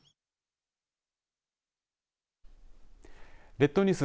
列島ニュース